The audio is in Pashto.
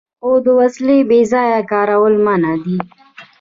خو د وسلې بې ځایه کارول منع دي.